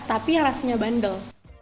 tapi rasanya bandel